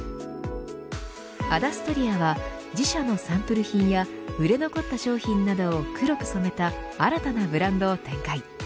アダストリアは自社のサンプル品や売れ残った商品などを黒く染めた新たなブランドを展開。